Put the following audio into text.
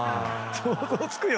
想像つくよね！